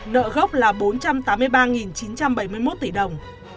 nợ gốc là bốn trăm tám mươi ba chín trăm bảy mươi một tỷ đồng